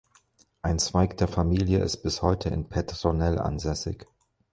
Ein Zweig der Familie ist bis heute in Petronell ansässig.